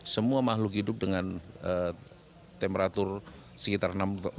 semua makhluk hidup dengan temperatur sekitar enam